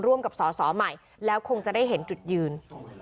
ร่วมกับสอสอใหม่แล้วคงจะได้เห็นจุดยืน